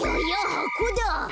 はこだ。